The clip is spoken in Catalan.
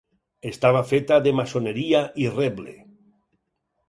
Estava feta de maçoneria i reble.